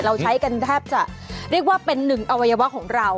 เราใช้กันแทบจะเรียกว่าเป็นหนึ่งอวัยวะของเรา